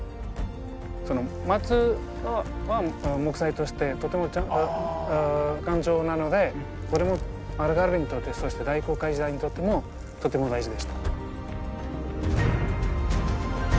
松は木材としてとても丈夫頑丈なのでこれもアルガルヴェにとってそして大航海時代にとってもとても大事でした。